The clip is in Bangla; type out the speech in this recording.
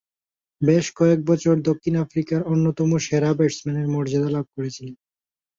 বেশ কয়েক বছর দক্ষিণ আফ্রিকার অন্যতম সেরা ব্যাটসম্যানের মর্যাদা লাভ করেছিলেন।